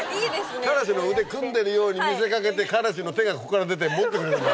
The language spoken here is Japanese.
彼氏の腕組んでるように見せ掛けて彼氏の手がここから出て持ってくれるんだろ。